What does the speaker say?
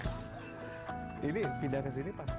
kami akan jemput